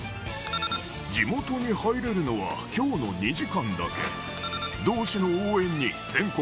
地元に入れるのはきょうの２時間だけ。